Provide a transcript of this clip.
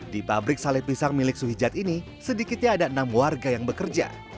di pabrik saleh pisang milik suhijat ini sedikitnya ada enam warga yang bekerja